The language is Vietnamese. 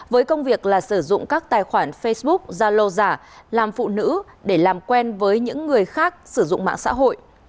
với công việc là sử dụng các tài khoản facebook zalo giả làm phụ nữ để làm quen với những người khác sử dụng mạng xã hội